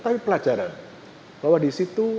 tapi pelajaran bahwa di situ